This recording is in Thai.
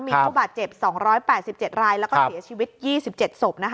มีผู้บาดเจ็บ๒๘๗รายและเสียชีวิต๒๗ศพ